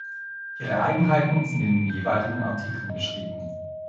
Ihre Eigenheiten sind in den jeweiligen Artikeln beschrieben.